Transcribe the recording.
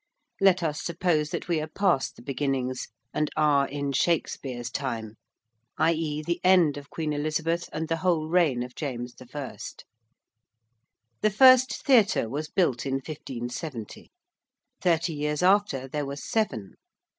Let us suppose that we are past the beginnings and are in Shakespeare's time i.e. the end of Queen Elizabeth and the whole reign of James I. The first theatre was built in 1570. Thirty years after there were seven.